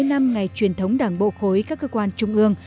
bảy mươi năm ngày truyền thống đảng bộ khối các cơ quan trung ương